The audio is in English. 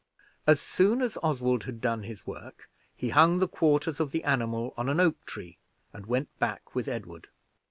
As soon as Oswald had done his work, he hung the quarters of the animal on an oak tree, and went back with Edward.